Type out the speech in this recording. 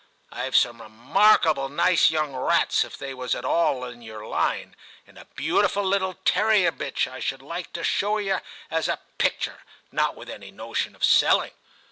IVe some remarkable nice young rats, if they was at all in your line, and a beautiful little terrier bitch I should like to show yer as a pictur, not with any notion of selling.'